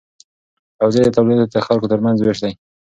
توزیع د تولیداتو د خلکو ترمنځ ویش دی.